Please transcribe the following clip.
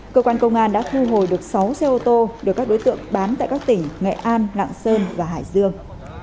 cơ quan công an đã thu hồi được sáu xe ô tô được các đối tượng bán tại các tỉnh nghệ an lạng sơn và hải dương